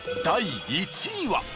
第１位は。